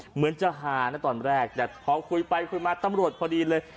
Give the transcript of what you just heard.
เหมือนจะฮานะตอนแรกแต่พอคุยไปคุยมาตำรวจพอดีเลย